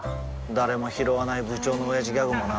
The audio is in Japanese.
誰もひろわない部長のオヤジギャグもな